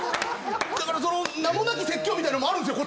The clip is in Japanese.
だから名もなき説教みたいなのもあるんですよ